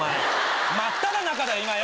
真っただ中だよ！